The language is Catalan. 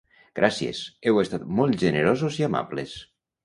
Gràcies, heu estat molt generosos i amables!